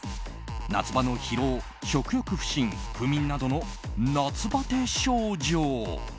夏場の疲労、食欲不振不眠などの夏バテ症状。